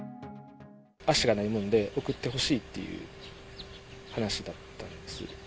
足がないもんで送ってほしいという話だったんです。